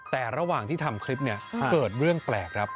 แต่ระหว่างที่ทำคลิปเนี่ยเกิดเรื่องแปลกครับ